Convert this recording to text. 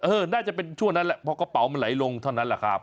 น่าจะเป็นช่วงนั้นแหละเพราะกระเป๋ามันไหลลงเท่านั้นแหละครับ